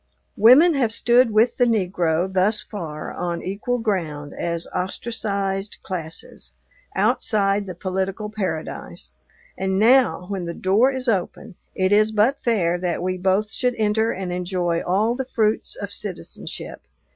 Women have stood with the negro, thus far, on equal ground as ostracized classes, outside the political paradise; and now, when the door is open, it is but fair that we both should enter and enjoy all the fruits of citizenship.